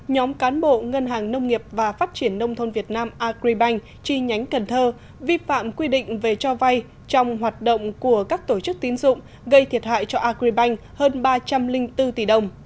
nhóm cán bộ ngân hàng nông nghiệp và phát triển nông thôn việt nam agribank chi nhánh cần thơ vi phạm quy định về cho vay trong hoạt động của các tổ chức tín dụng gây thiệt hại cho agribank hơn ba trăm linh bốn tỷ đồng